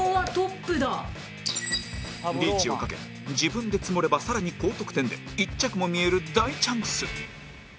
リーチを懸け自分でツモれば更に高得点で１着も見える大チャンス